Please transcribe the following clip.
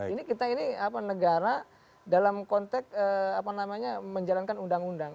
ini kita ini apa negara dalam konteks apa namanya menjalankan undang undang